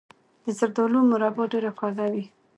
د زردالو مربا ډیره خوږه وي.